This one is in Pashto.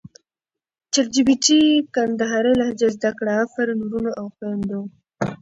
چټ جې پې ټې کندهارې لهجه زده کړه افرین ورونو او خویندو!